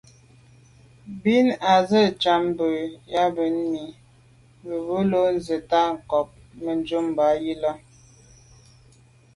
Bìn à’ sə̌’ njən mbu’ŋwà’nǐ mì bə̂ bo lô’ nzi’tə ncob Mə̀dʉ̂mbὰ yi lα.